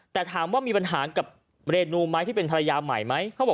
แต่ถามว่ามีปัญหากับเรนูไหมที่เป็นภรรยาใหม่ไหม